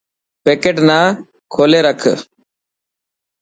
پيڪٽ نا ڪولي رکي.